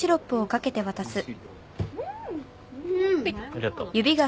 ありがとう。